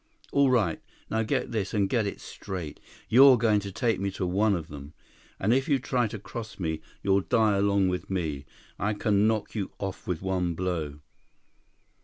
"All right. Now get this, and get it straight. You're going to take me to one of them. And if you try to cross me, you'll die along with me. I can knock you off with one blow."